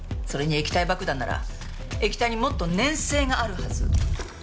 それに液体爆弾なら液体にもっと粘性があるはず。